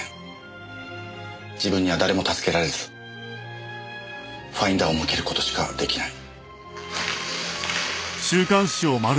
自分には誰も助けられずファインダーを向ける事しかできない。